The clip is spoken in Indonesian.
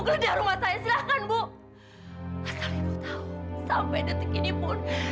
menurut saya menyembunyikan fadil